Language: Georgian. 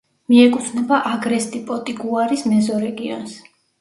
მიეკუთვნება აგრესტი-პოტიგუარის მეზორეგიონს.